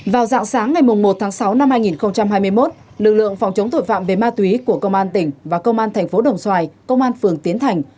vào dạng sáng ngày một sáu hai nghìn hai mươi một lực lượng phòng chống tội phạm về ma túy của công an tỉnh và công an tp đồng xoài công an phường tiến thành